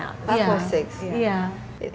lima atau enam iya